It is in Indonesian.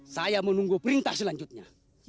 saya menunggu perintah selanjutnya